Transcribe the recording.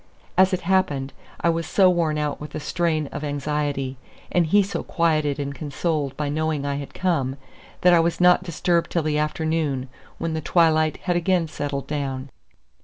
As it happened, I was so worn out with the strain of anxiety, and he so quieted and consoled by knowing I had come, that I was not disturbed till the afternoon, when the twilight had again settled down.